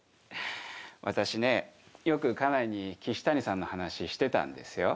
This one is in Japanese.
私ねよく家内に岸谷さんの話してたんですよ。